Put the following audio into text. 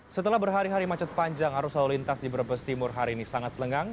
setelah berhari hari macet panjang arus lalu lintas di brebes timur hari ini sangat lengang